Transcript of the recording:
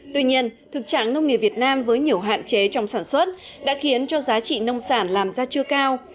tuy nhiên thực trạng nông nghiệp việt nam với nhiều hạn chế trong sản xuất đã khiến cho giá trị nông sản làm ra chưa cao